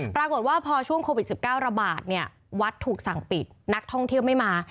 ปรากฏว่าพอช่วงโควิด๑๙ระบาดเนี่ยวัดถูกสั่งปิดนักท่องเที่ยวไม่มา